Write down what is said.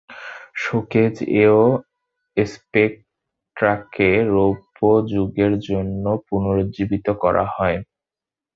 "শোকেজ"-এও স্পেকট্রাকে রৌপ্য যুগের জন্য পুনরুজ্জীবিত করা হয়।